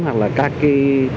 hoặc là các cái